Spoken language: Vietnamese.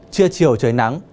chia chiều trời nắng